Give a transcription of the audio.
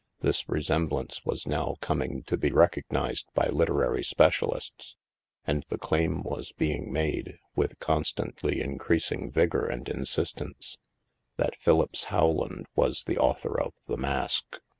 This resem blance was now coming to be recognized by literary specialists, and the claim was being made, with con stantly increasing vigor and insistence, that Philippse Rowland was the author of "The Mask."